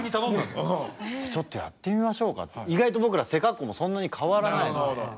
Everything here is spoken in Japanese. じゃあちょっとやってみましょうかって。意外と僕ら背格好もそんなに変わらないので。